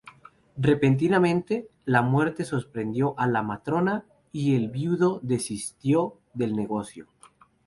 Repentinamente, la muerte sorprendió a la matrona y el viudo desistió del negocio.